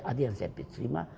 ada yang saya terima